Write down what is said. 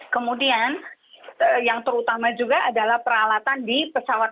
kemudian yang terutama juga adalah peralatan di pesawat